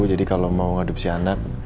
jadi kalo mau adopsi anak